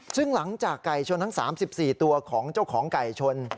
ซึ่งหลังจากไก่ชนทั้ง๓๔ตัวของเจ้าของไก่ชน